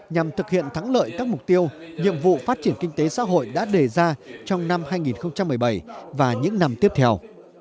nhằm thực hiện thắng lợi các mục tiêu nhiệm vụ phát triển kinh tế xã hội đã đề ra trong năm hai nghìn một mươi bảy và những năm tiếp theo